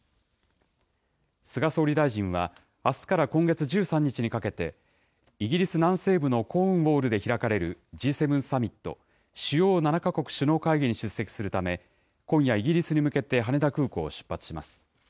菅総理大臣は、あすから今月１３日にかけて、イギリス南西部のコーンウォールで開かれるＧ７サミット・主要７か国首脳会議に出席するため、今夜、イギリスに向けて羽田空港を出発します。